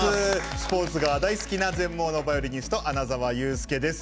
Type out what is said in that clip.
スポーツが大好きな全盲のバイオリニスト穴澤雄介です。